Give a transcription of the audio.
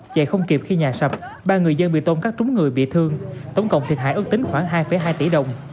chạy không kịp khi nhà sập ba người dân bị tôn cắt trúng người bị thương tổng cộng thiệt hại ước tính khoảng hai hai tỷ đồng